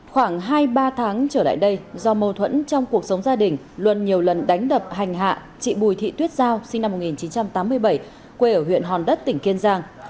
khoảng hai ba tháng trở lại đây do mâu thuẫn trong cuộc sống gia đình luân nhiều lần đánh đập hành hạ chị bùi thị tuyết giao sinh năm một nghìn chín trăm tám mươi bảy quê ở huyện hòn đất tỉnh kiên giang